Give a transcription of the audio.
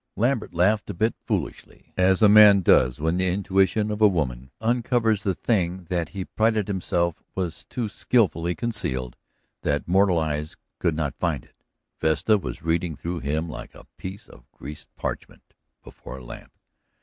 Lambert laughed a bit foolishly, as a man does when the intuition of a woman uncovers the thing that he prided himself was so skilfully concealed that mortal eyes could not find it. Vesta was reading through him like a piece of greased parchment before a lamp.